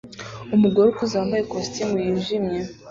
Umugore ukuze wambaye ikositimu yijimye